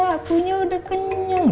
akunya udah kenyang